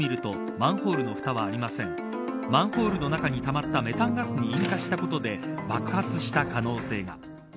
マンホールの中にたまったメタンガスに引火したことで爆発した可能性が。